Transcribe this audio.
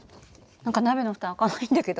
何か鍋のふた開かないんだけど。